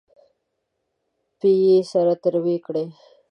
پۍ یې سره تروې کړې.